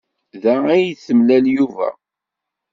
Da ay d-temlal Yuba.